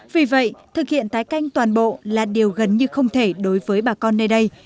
vì vậy thực hiện tái canh toàn bộ là điều gần như không thể đối với bà con nơi đây